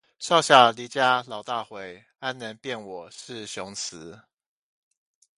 少小離家老大回，安能辨我是雄雌